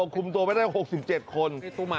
คุมตัวไว้ได้๖๗คน